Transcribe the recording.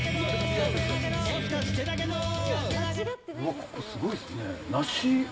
ここ、すごいですね。